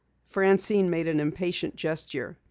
Francine made an impatient gesture.